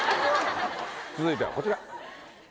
続いてはこちら。